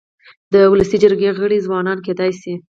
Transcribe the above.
د ولسي جرګي غړي ځوانان کيدای سي.